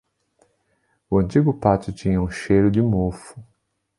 O antigo pátio tinha um cheiro de mofo.